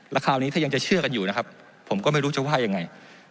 แล้วคราวนี้ถ้ายังจะเชื่อกันอยู่นะครับผมก็ไม่รู้จะว่ายังไง